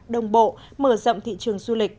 đồng bộ mở rộng thị trường du lịch